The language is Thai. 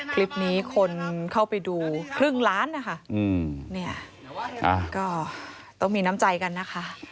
คลิปนี้คนเข้าไปดูครึ่งล้านนะคะเนี่ยก็ต้องมีน้ำใจกันนะคะ